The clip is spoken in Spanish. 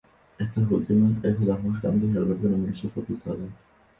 Esta última es de las más grandes y alberga numerosas facultades.